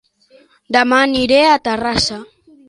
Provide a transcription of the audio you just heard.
Dema aniré a Terrassa